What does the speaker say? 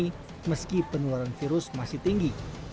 untuk menurutnya penerbangan virus masih tinggi